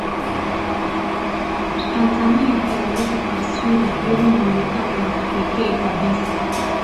Tanzania inaleta taswira yenye muonekano wa kipekee kabisa